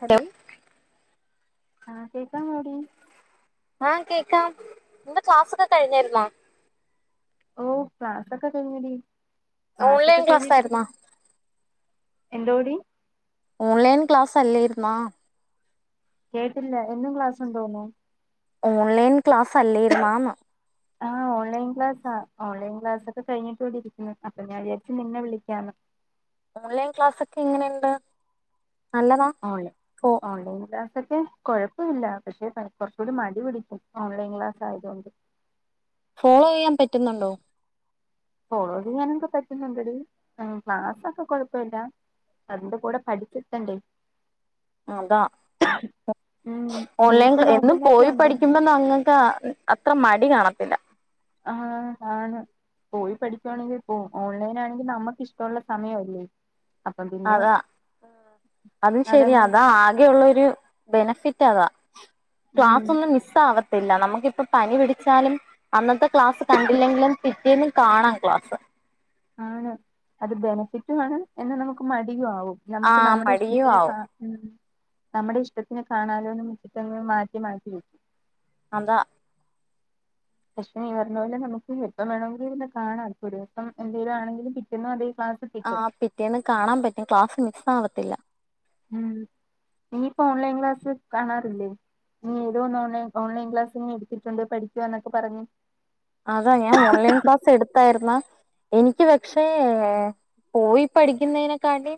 Hello ആഹ് കേക്കാവോടി? ആഹ് കേക്കാം നിന്റെ ക്ലാസ് ഒക്കെ കഴിഞ്ഞാരുന്നോ ഓ ക്ലാസൊക്കെ കഴിഞ്ഞടി ഓൺലൈൻ ക്ലാസ്സ് ആയിരുന്നോ എന്തോഓടി ഓൺലൈൻ ക്ലാസ് അല്ലേരുന്നാ കേട്ടില്ല എന്നും ക്ലാസ്സ തോന്നുന്നു ഓൺലൈൻ ക്ലാസ്സ് അല്ലരുന്നാന്ന് ആ ഓൺലൈൻ ക്ലാസ ഓൺലൈൻ ക്ലാസ് ഒക്കെ കഴിഞ്ഞിട്ട് ഇവിടെ ഇരിക്കുന്നു അപ്പ ഞാ വിചാരിച്ചു നിന്നെ വിളിക്കാന്ന് ഓൺലൈൻ ക്ലാസ്സൊക്കെ എങ്ങനെയണ്ട് ഓൺല് ഓൺലൈ ലാ പക്ഷെ കൊഴപ്പ ഇല്ല പക്ഷെ കൊറച്ച് കൂടി മടി പിടിക്കും ഓൺലൈൻ ക്ലാസ് ആയതൊണ്ട് ഫോളോ യ്യാൻ പറ്റുന്നുണ്ടോ ഫോളോ ചെയ്യാനൊക്കെ പറ്റുന്നുണ്ട്ടി ക്ലാസ്സൊക്കെ കൊഴപ്പില്ല അതിന്റെ കൂടെ പഠിച്ചെത്തണ്ടേ അതാ ഉം നീ ഓൺലൈൻ ഇപ്പൊ ക് എന്നും നോക്കുന്നൊക്കെ പോയി ഉണ്ടോ പഠിക്കുമ്പോ അങ്ങക്ക് അത്ര മടി കാണത്തില്ല ആഹ ആണ് പോയി പഠിക്കുവാണെങ്കിൽ ഇപ്പോ ഓൺലൈൻ ആണെങ്കിൽ നമ്മുക്കിഷ്ടഒള്ള സമയവല്ലേ അതാ അതും ശരി അതങ്ങ് അതാ ആകെള്ളൊരു ബെനഫി ഫിറ്റതാ ഉം ക്ലാസ് ഒന്നും മിസ് ആവത്തില്ല നമുക്കിപ്പ പനി പിടിച്ചാലും അന്നത്തെ ക്ലാസ് കണ്ടില്ലെങ്കിലും പിറ്റേന്നും കാണാം ക്ലാസ്സ് ആണ് അത് ബെനഫിറ്റാണ് എന്നാ നമുക്ക് മടിയും ആവും നമുക്ക് ആഹ് നമ്മുടെ മടിയും ഇഷ്ടത്തിനെ ക ആവും ഉം നമ്മുടെ ഇഷ്ടത്തിനെ കാണാലോന്ന് വെച്ചിട്ടങ്ങനെ മാറ്റി മാറ്റി വെക്കും അതാ പക്ഷെ നീ പറഞ്ഞ പോലെ നമുക്ക് എപ്പം വേണമെങ്കിൽ കാണാൻ ഇപ്പം ഒരൂസം എന്തെലും ആണെങ്കിലും പിറ്റേന്നും അതേ ക്ലാസ് ആ കിട്ടും പിറ്റേന്ന് കാണാൻ പറ്റും ക്ലാസ്സ് മിസ് ആവത്തില്ല ഉം നീ ഇപ്പൊ ഓൺലൈൻ ക്ലാസ് കാണാറില്ലേ നീതു വന്ന് ഓൺ ഓൺലൈൻ ക്ലാസിനു ഇരുത്തിട്ടുണ്ട് പഠിക്കവാന്നൊക്കെ പറഞ്ഞു അതാ ഞാൻ ഓൺലൈൻ ക്ലാസ് എടുത്തായിരുന്നാ എനിക്ക് പക്ഷേ പോയി പഠിക്കുന്നതിനെക്കാട്ടി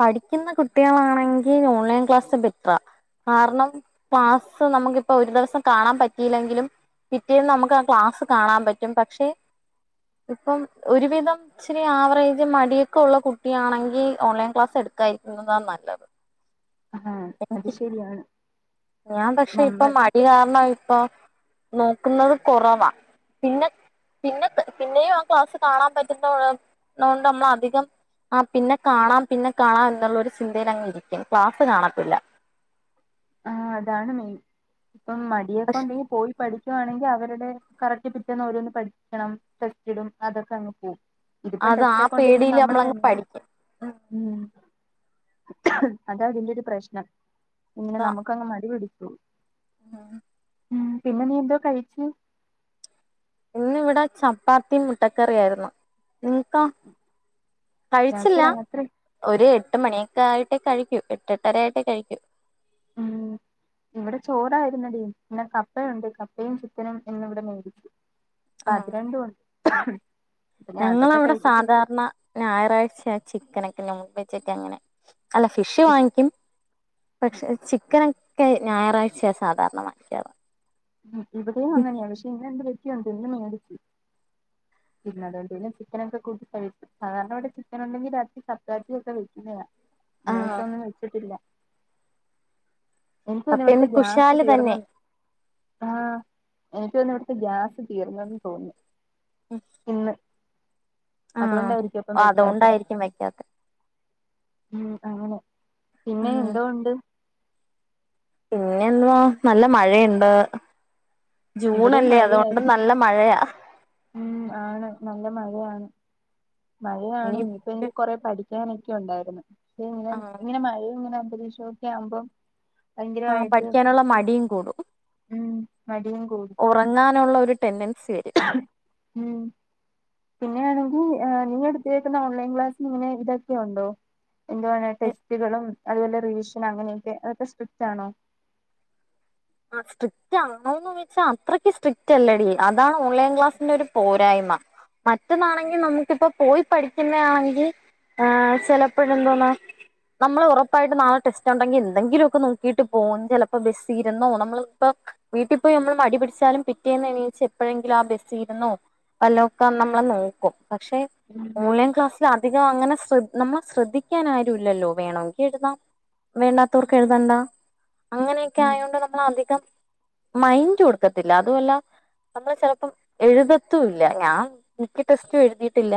പഠിക്കുന്ന കുട്ടികളാണെങ്കിൽ ഓൺലൈൻ ക്ലാസ് ബെറ്ററാ കാരണം ക്ലാസ്സ്‌ നമുക്കിപ്പൊ ഒരു ദിവസം കാണാൻ പറ്റിയില്ലെങ്കിലും പിറ്റേന്ന് നമുക്ക് ആ ക്ലാസ് കാണാൻ പറ്റും പക്ഷെ ഇപ്പം ഒരുവിധം ഇച്ചിരി ആവറേജ് മടിയൊക്കെ ഉള്ള കുട്ടിയാണെങ്കിൽ ഓൺലൈൻ ക്ലാസ് എടു ക്കാതിരിക്കുന്നതാ നല്ലത് അആഹ എനിക്ക് അത് ശരിയാണ്. ഞാൻ പക്ഷെ ഇപ്പൊ നമ്മൾ മടി കാരണായി പ്പോ നോക്കുന്നത് കുറവാ പിന്നെ പിന്നെക്ക് പിന്നെയും ആ ക്ലാസ്സ് കാണാൻ പറ്റുനൊണ്ട് നോണ്ട് നമ്മളധികം ആ പിന്നെ കാണാം പിന്നെ കാണാംന്നുള്ളോരു ചിന്തയിൽ അങ്ങ് ഇരിക്കും ക്ലാസ് കാണതില്ല. ആ അതാണ് മെയിൻ ഇപ്പം മടിയെപ്പ പക്ഷെ ണ്ട് പോയി പഠി വാണെങ്കിൽ അവരുടെ കറക്റ്റ് പിറ്റന്ന് ഓരോന്ന് പഠിക്കണം ടെസ്റ്റ്‌ടും അതൊക്കെ അങ്ങ് പോകും ഇതിപ്പം അത് ആ ടെസ്റ്റ് ഒക്കെ ഉണ്ടെങ്കിലും പേടിയില് നമ്മള് നമ്മളങ്ങ് തന്നെ പഠിക്കും ഉം അത അതിന്റെ ഒരു പ്രശ്നം മ്മ് നമക്കങ്ങ് മടിപടിക്കും ആഹ ഉം പിന്നെ നീ എന്തോ കഴിച്ചേ? ഇന്ന് വിടെ ചപ്പാതിം മുട്ടക്കറിയായിരുന്നു. നിങ്ങക്കാ ഞങ്ങക്ക് കഴിച്ചില്ല രാത്രി ഒര് എട്ട് മണിയൊക്കെ ആയിട്ട് കഴിക്കൂ എട്ടെട്ടര ആായിട്ട് കഴിക്കൂ. ആഹ് ഇവിടെ ചോറായിര്ന്നെടി പിന്നെ, കപ്പയുണ്ട് കപ്പയും ചിക്കനും ഇന്ന് ഇവിടെ മേടിച്ചു. ഇപ്പ ആഹ് അത് രണ്ടൂണ്ട്. ഞങ്ങളവിടെ സാധാരണ ഞായറാഴ്ച്ചയാ ചിക്കനൊക്കെ നോൺ വെജ്ജെക്കെ അങ്ങനെ. അല്ല ഫിഷ് വാങ്ങിക്കും. പക്ഷെ ചിക്കനൊക്കെ ഞായറാഴ്ചയാ സാധാരണ വാങ്ങിക്കാറ്. ഉം ഇവിടെയും അങ്ങനെയാണ്. പക്ഷെ, ഇന്നെന്ത് പറ്റിയെന്തോ ‌ ഇന്ന് മേടിച്ച്. പിന്നെ അതോണ്ട് പിന്നെ ചിക്കാനൊക്കെ കൂട്ടി കഴിച്ചു. സാധാരണ ഇവിടെ ചിക്കനൊ ണ്ടെങ്കിൽ രാത്രി ചപ്പാത്തിയൊക്കെ വെക്കുന്നയാ. ഇന്ന് വെച്ചോണ്ട് ഇന്ന് വെച്ചിട്ടില്ല. എനിക്കോന്ന് അപ്പൊ ഇവിടത്തെ ഇന്ന് ഗ്യാസ് കുശാല് തീർന്ന തന്നെ ആഹ് എനിക്കോന്ന് ഇവിട്ത്തെ ഗ്യാസ് തീർന്നന്ന് തോന്നി. ഇന്ന്. ആഹ് അതോണ്ടായിരിക്കും ഇപ്പം വെ ക്യാത്തെ. അതുകൊണ്ടായിരിക്കും വെക്കാത്തെ ഉം അങ്ങനെ പിന്നെ, എന്തോ ഉണ്ട്? പിന്നെ എന്നുവാ നല്ല മഴേണ്ട്. ഇവിടെയും ജൂണല്ലേ അതോണ്ട് മഴയായിരുന്നു നല്ല മഴയാ. ഉം ആണ് നല്ല മഴയാണ് മഴയാണ് ഇനി ഇപ്പ എനിക്ക് കൊറെ പഠി ക്കാനൊക്കെ ഉണ്ടായിരുന്ന് പക്ഷേ ഇങ്ങനെ ആഹ് ഇങ്ങനെ മയേം ഇങ്ങനെ അന്തരീക്ഷോക്കെ ആവുമ്പോ ആഹ് പഠിക്കാനുള്ള മടിയും കൂടും. ഉം മടിയും കൂടും ഉറങ്ങാനുള്ള ഒരു ടെൻഡൻസിയെ ഉം പിന്നെയാണെങ്കി ഏ നിങ്ങടുതേക്കുന്ന ഓൺലൈൻ ക്ലാസ്സിൽ ഇങ്ങനെ ഇതൊക്കെ ഉണ്ടോ? എന്തുവാണേ ടെസ്റ്റുകളും അതുപോലെ റിവിഷനും അങ്ങനെയൊക്കെ അതൊക്കെ സ്ട്രിക്റ്റ് ആണോ? ആ സ്ട്രിക്റ്റ് ആണോന്ന് ചോദച്ചാ അത്രയ്ക്ക് സ്ട്രിക്റ്റ് അല്ലടീ അതാണ് ഓൺലൈൻ ക്ലാസ്സിന്റെ ഒരു പോരായ്മ. മറ്റന്നാണെങ്കിൽ നമുക്കിപ്പ പോയി പഠിക്കുന്ന ആണങ്കി ആഹ് ചെലപ്പോഴന്തോന്നാ നമ്മള് ഉറപ്പായിട്ടും നാളെ ടെസ്റ്റ് ഉണ്ടെങ്കി എന്തെങ്കിലൊക്ക നോക്കിട്ട് പോകും ചെലപ്പോ ബസ്സീ ന്നോ നമ്മൾപ്പോ വീട്ടിൽ പോയി നമ്മൾ മടിപിടിച്ചാലും പിറ്റേന്ന് എണീച്ച് എപ്പോഴെങ്കിലും ആ ബസ്സീ ഇരുന്നോ വല്ലോക്ക നമ്മള് നോക്കും പക്ഷേ ഓൺലൈൻ ക്ലാസ് അധികം അങ്ങനെ ശ്രദ് നമ്മളേ ശ്രദ്ധിക്കൻ ആരുല്ലല്ലോ വേണോങ്കി എഴുതാം. വേണ്ടാത്തോർക്ക് എഴുതണ്ട അങ്ങനെയൊക്കെ ആയോണ്ട് നമ്മള അധികം മൈന്റ് കൊടുക്കത്തില്ല അതുവല്ലാ നമ്മള് ചെലപ്പം എഴുതത്തൂല്ല ഞാൻ മിക്ക ടെസ്റ്റും എഴുതിയിട്ടില്ല.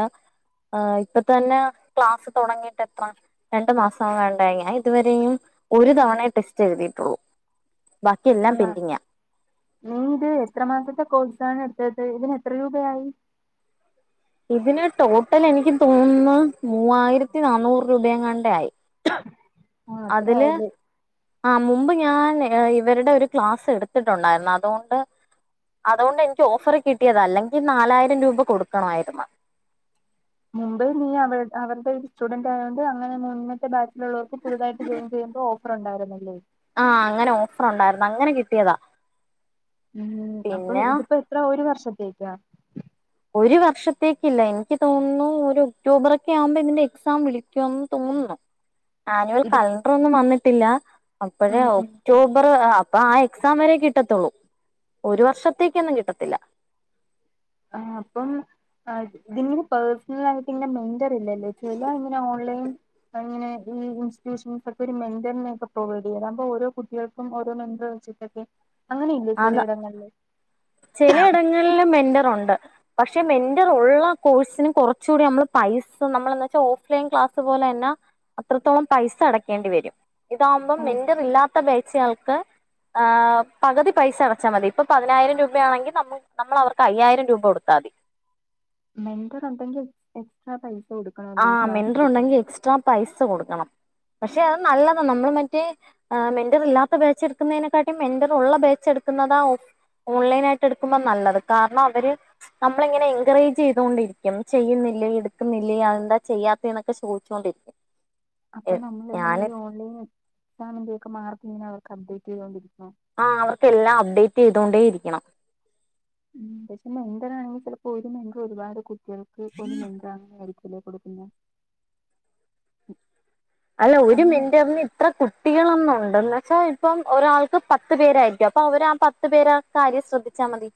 ആഹ് ഇപ്പ തന്നെ ക്ലാസ് തുടങ്ങിട്ട് എത്ര രണ്ടു മാസം എങ്ങാണ്ടായി ഞാൻ ഇതുവരേയും ഒരു തവണേ ടെസ്റ്റ് എഴുതീട്ടൊള്ളൂ. ആഹ് നീ ഇത് എത്ര മാസത്തെ കോഴ് സാണ് എടുത്തത് ഇതിന് എത്ര രൂപയായി? ഇതിന് ടോട്ടൽ എനിക്ക് തോന്നുന്നു മൂവായിരത്തി നന്നൂറ് രൂപയെങ്ങാട്ടാ യി ആ അതില് ആ മുമ്പ് ഞാൻ ഇവരുടെ ഒരു ക്ലാസ്സ് എടുത്തിട്ടുണ്ടായിരുന്നു അതോണ്ട് അതൊണ്ട് എനിക്ക് ഓഫറ് കിട്ടിയത അല്ലെങ്കിൽ നാലായിരം രൂപ കൊടുക്കണമായിരുന്നു മുംബൈൽ നീ അവ അവരുടെ ഒരു സ്റ്റുഡന്റ് ആയൊണ്ട് അങ്ങനെ മുന്നത്തെ ബാച്ചിലുള്ളവർക്ക് പുതുതായിട്ട് ജോയിൻ ചെയ്യ ഓഫർ ഉണ്ടായിരുന്നല്ലേ ആഹ അങ്ങനെ ഓഫർ ഉണ്ടായിരുന്നു അങ്ങനെ കിട്ടിയതാ ഉം അപ്പൊ പിന്നെ ഇതിപ്പോ എത്ര ഒരു വർഷത്തേക്കാ ഒരു വർഷത്തേക്കില്ല എനിക്ക് തോന്നുന്നു ഒരു ഒക്ടോബറെക്കെ ആകുമ്പോൾ ഇതിന്റെ എക്സാം വിളിക്കുമന്ന് തോന്നുന്നു [inaudible] ആനുവൽ ഇത് കലണ്ടർ ഒന്നും വന്നിട്ടില്ല അപ്പോഴെ ഉം ഉം ഒക്ടോബർ അപ്പൊ ആ എക്സാം വരെ കിട്ടത്തുള്ളൂ ഒരു വർഷത്തേക്കൊന്നും കിട്ടത്തില്ല ആഹ അപ്പം അ ഇതി പേഴസണൽ ആയിട്ട് ഇെ മെൻറർ ഇല്ലല്ലേ ചില ഇങ്ങനെ ഓൺലൈൻ അങ്ങനെ ഈ ഇൻസ്റ്റിറ്റ്യൂഷൻസ് ഒക്കെ ഒരു മെന്ററിനെ ഒക്ക പ്രൊവഡ് ചെയ്ത അപ്പൊ ഓരോ കുട്ടികൾക്കും ഓരോെന്റ അങ്ങനെയിലെ ചിലയിടങ്ങളില് ചിലയിടങ്ങളിലും എൻ്റെ പണ്ട് പക്ഷെ മെന്ററുള്ള കോഴ്ന് കുറചൂടി നമ്മൾ പൈസ നമ്മെച്ചാൽ ഓഫ്‌ലൈൻ ക്ലാസ്സ് പണ്ടെത്തെ പോലെന്ന അത്രത്തോളം പൈസ അടക്കേണ്ടി വരും ഇതകുമ്പോം ഓഹ് മെന്ററില്ലാത്ത ചാൾക്ക് എ പകുതി പൈസ അടച്ചാൽ മതി ഇപ്പ പതിനായിരം രൂ രൂപ ആണെങ്കിൽ നമ് നമ്മൾ അവർക്ക് അയ്യായിരം രൂപ കൊടുത്താൽ മതി മെന്റർ ഉണ്ടെങ്കിൽ എക്സ്ട്രാ പൈസ കൊടുക്കണല്ലോ ഈ ആഹ ക്ലാസ് മിൻ്റർ ഉണ്ടെങ്കി എടുക്കുമ്പോ എക്സ്ട്രാ പൈസ കൊടുക്കണം പക്ഷെ അത് നല്ലതാണ് നമ്മൾ മറ്റേ മെന്റർ ഇല്ലാത്ത ബേച്ചെടുക്കുന്നതിനെക്കാട്ടിലും മെന്റർ ഉള്ള ബേച്ച എടു നിക്കുന്നതാ ഓസ് ഓൺലൈൻ ആയിട്ട് എടുക്കുമ്പോ നല്ലത് കാരണം അവര് നമ്മള ഇങ്ങനെ എൻകറേജ് ചെയ്തൊണ്ടിരിക്കും ചെയ്യുന്ന ഇല്ലങ്കിൽ എടുക്കുന്നില്ലേ അതെന്താ ചെയ്യാത്തന്നൊക്കെ ചോദിച്ചോണ്ടിരിക്കും അപ്പൊ നമ്മൾ എങ്ങനെ ഞാന് ഓൺലൈൻ എക്സാമിന്റെ ഒക്കെ മാർക്ക് ഇങ്ങനെ അവർക്ക് അപ്ഡേറ്റ് ചെയ്തോണ്ടിരിക്കും ആ അവർക്ക് എല്ലാം അപ്ഡേറ്റ് ചെയ്തോണ്ടേ ഇരിക്കണം ഉ പക്ഷെ മെൻ്റർ ആണെങ്കിൽ ചിലപ്പോ ഒരു മെങ്ങ് ഒരുപാട് കുട്ടികൾക്ക് മെന്താണ ആയിരിക്കും കൊടുക്കുന്നു അല്ല ഒരു മെൻ്ററിന് ഇത്ര കു കുട്ടികളാന്നുണ്ടന്ന് വെച്ചാൽ ഇപ്പം ഒരാൾക്ക് പത്ത് പേരായിരിക്കും അപ്പൊ അവര് ആ പത്ത് പേരെ ആ കാര്യം ശ്രദ്ധിച്ച അ മതി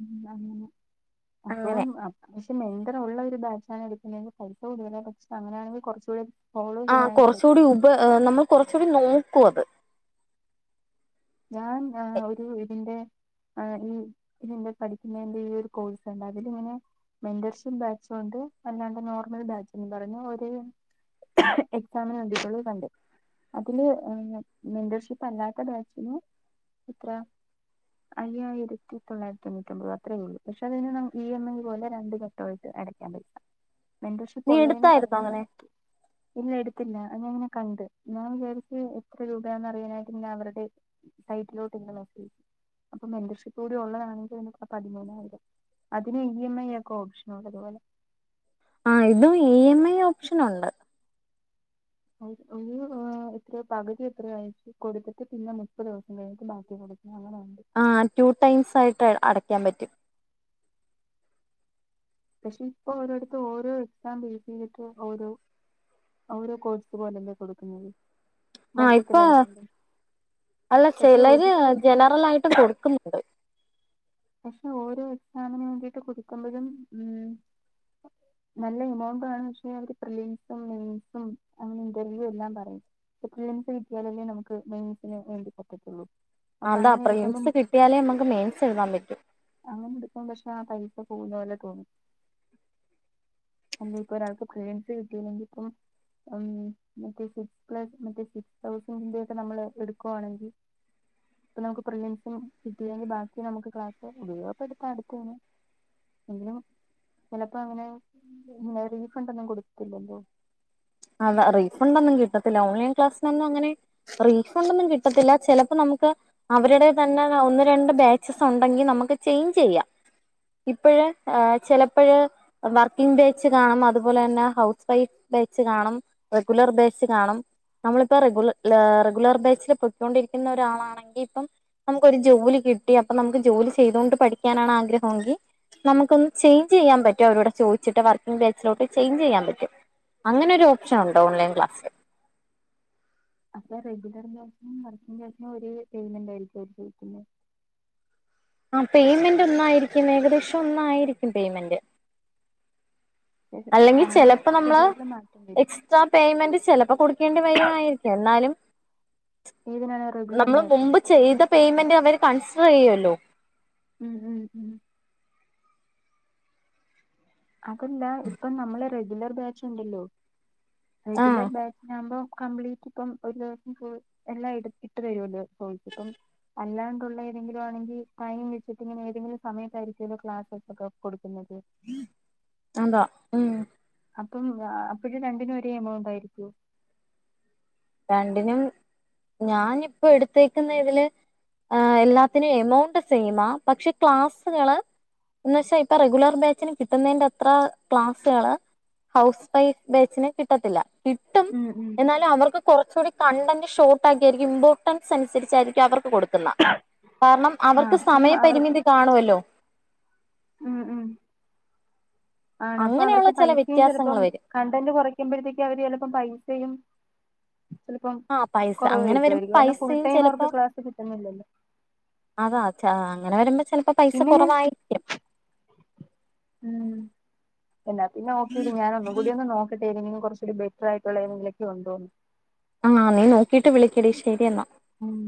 ഉ അങ്ങനെ അപ്പൊ അങ്ങനെ അത്യാവിശ്യം മെലി ഉള്ള ഒരു ബാച്ചാണ് എടുക്കുന്നത്തെങ്കിൽ പൈസ കൂടുതല പക്ഷെ അങ്ങനാണെങ്കിൽ കുറച്ചൂടെ ആ കൊറച്ചുകൂടി ഉപ് നമ്മൾ കൊറച്ചൂടി നോക്കും അത് ഞാൻ ആ ഒരു ഇതിൻ്റെ ആ ഈ ഇതിന്റെ പഠിക്കുന്നതിന്റെ ഈ ഒരു കോഴ്സുണ്ട് അതിലിങ്ങനെ മെന്റർഷിൻ ബാച്ചോണ്ട് അല്ലാണ്ട് നോർമൽ ബാച്ച് എന്ന് പറഞ്ഞ് ഒരേ എക്സാമിന് വിധികള കണ്ട് അതില് മെമ്പർഷിപ്പ് അല്ലാത്ത ബേച്ച് നോ എത്ര അയ്യായിരത്തി തൊള്ളായിരത്തി തൊണൂറ്റിയൊമ്പത് അത്രയേള്ളൂ പക്ഷെ അതിന് ഇ എം ഐ പോലെ രണ്ട് ഘട്ടമായിട്ട് തരാം മെമ്പർഷിപ്പ് നീ ഉള്ളതിന് എടുത്തായിരുന്നോ പറഞ്ഞ അങ്ങനെ ഇല്ല എടുത്തില്ല അത് ഞാൻ അങ്ങനെ കണ്ട് ഞാൻ വിചാരിച്ച് എത്ര രൂപയാന്ന് അറിയാനായിട്ട് ഇന്നെ അവരുടെ സൈറ്റിലോട്ട് ഇന്ന് മെസേജ് അപ്പൊ മെമ്പർഷിപ്പ് കൂടി ഉള്ളതാണെങ്കിൽ പതിമൂന്നായിരം അതിന് ഇ എം ഐ ഒക്കെ ഓപ്ഷന ഉള്ളതുപോലെ ആ ഇതും ഇ എം ഐ ഓപ്ഷനുണ്ട് ഒരു എത്രയ പകുതി എത്രയാഴിച്ചു കൊടുത്തിട്ട് പിന്നെ മുപ്പത് ദിവസം കഴിഞ്ഞിട്ട് ബാക്കി കൊടു [unintelligible] ആ ടൂ ടൈംസ് ആയിട്ട് അടയ്ക്കാൻ പറ്റും പക്ഷേ ഇപ്പൊ ഓരോട്ത്തും ഓരോ എക്സാം ബെയ്സെയ്തിട്ടാ ഓരോ ഓരോ കോഴസ് പോലെല്ലെ കൊടുക്കുന്നത് ആഹ് ഇപ്പൊ മൊത്തത്തിലല്ലാണ്ട് അല്ല പക്ഷെ ഒരു ചെലര് ജനറൽ ആയിട്ടും കൊടുക്കുന്നുണ്ട്. പക്ഷെ ഓരോ എക്സാമിന് വേണ്ടിട്ട് കൊടുക്കുമ്പഴും ഉം നല്ല എമൗണ്ടും ആണ് പക്ഷെ അവര് പ്രിലിമ്സും മെയിൻസും അങ്ങനെ ഇന്റർവ്യൂ എല്ലാം പറയും [unintelligible] കിട്ടിയാലല്ലേ നമുക്ക് മെയിൻസിന് വേണ്ടി പറ്റത്തുള്ളൂ അപ്പൊ അല്ല അങ്ങനെ എടുക്കുമ്പം പ്രിലിംസ് കിട്ടിയാലേ നമ്മക്ക് മെയിൻസ് എഴുതാൻ പറ്റൂ ഇതിപ്പം പക്ഷെ ആ [unintelligible] പോകുന്ന പോലെ തോന്നി അല്ല ഇപ്പൊ ഒരാൾക്ക് പ്രിലിംസ് കാട്ടിയില്ലെങ്കിൽ ഇപ്പം ഉം മറ്റേ സിക് പ്ലസ് മറ്റേ സിക്സ് തൗസൻഡിന്റെ ഒക്കെ നമ്മള് എടുക്കുവാണെങ്കി ഇപ്പൊ നമുക്ക് പ്രിലിംസും കിട്ടീല്ലെങ്കിൽ ബാക്കി നമ്മക്ക് ക്ലാസ്സും ഉപയോഗപ്പെടുത്താം അടുത്തേന് എങ്കിലും ചെലപ്പോ അങ്ങനെ ഇങ്ങനെ റീഫണ്ട് ഒന്നും കൊടുക്കില്ലല്ലോ അതാ റീഫണ്ട് ഒന്നും കിട്ടത്തില്ല ഓൺലൈൻ ക്ലാസ്സിനൊന്നും അങ്ങനെ റീഫണ്ട് ഒന്നും കിട്ടത്തില്ല ചെലപ്പോ നമ്മ ക്കെ അവരുടെ തന്നെ ഒന്ന് രണ്ട് ബാച്ചസ് ഒണ്ടെങ്കി നമ്മക്ക് ചേഞ്ച് ചെയ്യാം ഇപ്പഴ് ഏഹ് ചെലപ്പഴ് വർക്കിംഗ് ബേച്ച് കാണും അതുപോലെ തന്നെ ഹൗസ് വൈഫ് ബേ ച്ച് കാണും റെഗുലർ ബാച്ച് കാണും നമ്മളിപ്പോ റെഗുല ഏഹ് റെഗുലർ ബാച്ചിൽ പൊക്കോണ്ടിരിക്കുന്ന ഒരാളാണെങ്കി ഇപ്പം നമുക്കൊരു ജോലി കിട്ടി അപ്പൊ നമുക്ക് ജോലി ചെയ്തോണ്ട് പഠിക്കാനാണ് ആഗ്രഹമെങ്കി നമുക്കൊന്ന് ചേഞ്ച് ചെയ്യാൻ പറ്റും അവരോട് ചോദിചിട്ട് വർക്കിംഗ് ബാച്ചിലോട്ട് ചേഞ്ച് ചെയ്യാൻ പറ്റും അങ്ങനൊരു ഓപ്ഷൻ ഒണ്ട് ഓൺലൈൻ ക്ലാസ്സില് അപ്പൊ റെഗുലർ ബാച്ചിനും വർക്കിങ് ബാച്ചിനും ഒരേ പേയ്മെന്റ് ആയിരിക്കോ അവര് ചോദിക്കുന്നെ? ആഹ് പേയ്മെന്റ് ഒന്നായിരിക്കും ഏകദേശം ഒന്നായിരിക്കും പേയ്മെന്റ് അല്ലെങ്കി ടൈം ചെലപ്പോ നമ്മള് ഷെഡ്യൂളില് മാറ്റം വരും എക്സ്ട്രാ പേയ്മെന്റ് ചെലപ്പോ കൊടുക്കേണ്ടി വരുവായിരിക്കാം എന്നാലും ഏതിനാണ് റെഗുലർ നമ്മള് ബാച്ചിനോ മുമ്പ് ചെയ്ത പേയ്മെന്റ് അവര് കൺസിഡർ ചെയ്യുവല്ലോ ഉം ഉം ഉം അതല്ല ഇപ്പ നമ്മള് റെഗുലർ ബാച്ച് ഉണ്ടല്ലോ ആഹ് റെഗുലർ ബാച്ചിനാവുമ്പോ കംപ്ലീറ്റ് ഇപ്പം ഒരു ദിവസം [unintelligible] എല്ലാം എടുത്തിട്ട് വരുവല്ലോ [unintelligible] ഇപ്പം അല്ലാണ്ടുള്ള ഏ തെങ്കിലും ആണെങ്കിൽ [unintelligible] വെച്ചിട്ട് ഇങ്ങനെ ഏതെങ്കിലും സമയത്തായിരിക്കുലോ ക്ലാസ്സ് ഒക്കെ കൊ കൊടുക്കുന്നത്. [unintelligible] മ് അപ്പം ആ അപ്പഴും രണ്ടിനും ഒരേ എമൗണ്ട് ആയിരിക്കോ? രണ്ടിനും ഞാനിപ്പോ എടുത്തേക്കുന്ന ഇതില് ആഹ് എല്ലാത്തിനും എമൗണ്ട് സെയിമാ, പക്ഷേ ക്ലാസ്സുകള് എന്ന് വെച്ചാ ഇപ്പ റെഗുലർ ബാച്ചിന് കിട്ടുന്നെന്റെ അത്ര ക്ലാസ്സുകള് ഹൗസ് വൈഫ് ബാച്ചിന് കിട്ടത്തില്ല, കിട്ടും ഉം ഉം എന്നാലും അവർക്ക് കൊറച്ചൂടി കണ്ടന്റ് ഷോർട്ട് ആക്കിയായിരിക്കും ഇമ്പോർട്ടൻസ് അനുസരിച്ചായിരിക്കും അവർക്ക് കൊടുക്കുന്ന. കാരണം ആഹ് അവർക്ക് അപ്പം സമയപരിമിതി കാണുവല്ലോ. മ് മ് ആണ് അപ്പ അങ്ങനെയുള്ള അവർക്ക് ചില പൈസയും വ്യത്യാസങ്ങൾ ചെലപ്പം വരും കണ്ടന്റ് കൊറയ്ക്കുമ്പഴത്തേക്ക് അവര് ചെലപ്പ പൈസ്‌ സയും ചെലപ്പം ആഹ് പൈസ കൊറവ് അങ്ങനെ വരുമ്പോ വരുത്തുവായിരിക്കും, കാരണം ഫുൾ പൈസയും ടൈം ചെലപ്പോ അവർക്ക് ക്ലാസ്സ് കിട്ടുന്നില്ലല്ലോ. അതാ [unintelligible] ചെലപ്പ പൈസ പിന്നെ ഞാൻ കൊറവായിരിക്കും. എന്ന പിന്നെ ഒക്കെ ടി ഞാൻ ഒന്ന് കൂടി ഒന്ന് നോക്കട്ടെടി ഇനിം കൊറച്ചൂടി ബെറ്റർ ആയിട്ടുള്ള ഏതെങ്കിലും ഒക്കെ ഒണ്ടോന്ന്. ആഹ് നീ നോക്കീട്ട് വിളിക്കടി, ശെരി എന്നാ. ഉം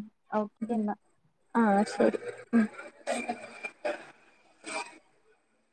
ഓക്കെ മ് എന്നാ ആഹ് ഓ ശെരി മ്